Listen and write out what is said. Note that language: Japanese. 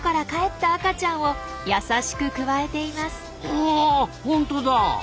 はほんとだ！